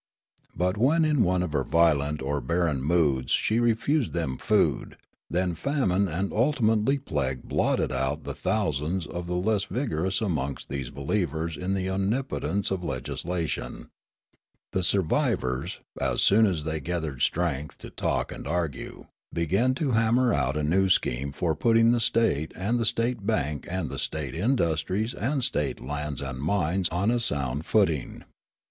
But when in one of her violent or barren moods she refused them food, then famine and ultimately plague blotted out bj' tbe thousand the less vigorous amongst these believers in the omnipotence of legislation. The survivors, as soon as they gathered strength to talk and argue, be gan to hammer out a new scheme for putting the state and the state bank and the state industries and state lands and mines on a sound footing.